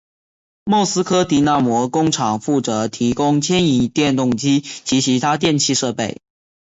莫斯科迪纳摩工厂负责提供牵引电动机及其他电气设备。